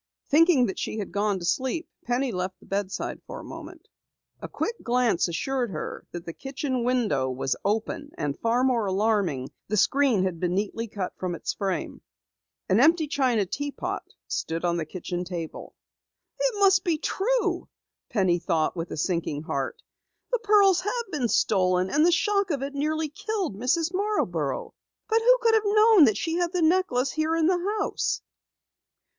Thinking that she had gone to sleep, Penny left the bedside for a moment. A quick glance assured her that the kitchen window was open, and far more alarming, the screen had been neatly cut from its frame. An empty China teapot stood on the kitchen table. "It must be true!" Penny thought with a sinking heart. "The pearls have been stolen, and the shock of it nearly killed Mrs. Marborough! But who could have known that she had the necklace here in the house?"